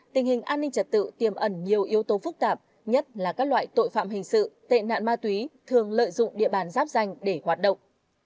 tình hình an ninh trật tự tiềm ẩn nhiều yếu tố phức tạp nhất là các loại tội phạm hình sự tệ nạn ma túy thường lợi dụng địa bàn giáp danh để hoạt động